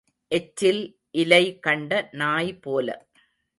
எச்சில் இலை கண்ட நாய் போல.